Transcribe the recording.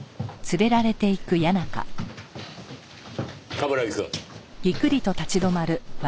冠城くん。